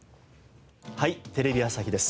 『はい！テレビ朝日です』